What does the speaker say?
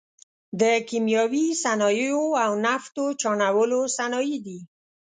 د کیمیاوي صنایعو او نفتو چاڼولو صنایع دي.